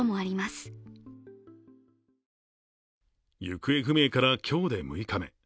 行方不明から今日で６日目。